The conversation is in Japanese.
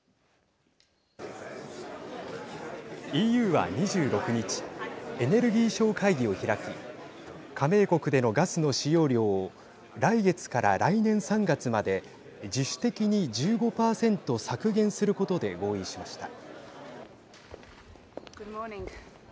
ＥＵは２６日エネルギー相会議を開き加盟国での、ガスの使用量を来月から来年３月まで自主的に１５％削減することで合意しました。